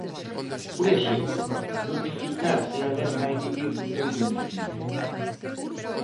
Por exemplo, notificar se alguén vai vivir no teu domicilio.